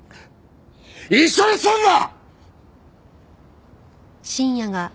一緒にすんな！